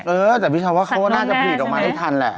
เออแต่พี่ชาวว่าเขาก็น่าจะผลิตออกมาได้ทันแหละ